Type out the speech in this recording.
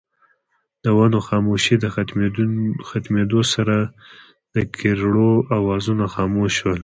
د ونو خاموشۍ د ختمېدو سره دکيرړو اوازونه خاموش شول